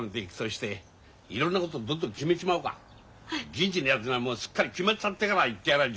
銀次のやつにはもうすっかり決まっちゃってから言ってやらあ